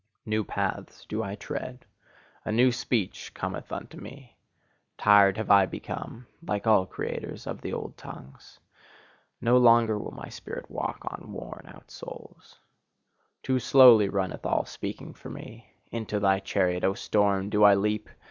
New paths do I tread, a new speech cometh unto me; tired have I become like all creators of the old tongues. No longer will my spirit walk on worn out soles. Too slowly runneth all speaking for me: into thy chariot, O storm, do I leap!